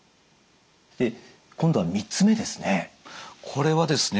で今度は３つ目ですね。